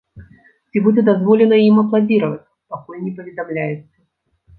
Ці будзе дазволена ім апладзіраваць, пакуль не паведамляецца.